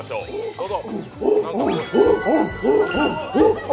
どうぞ。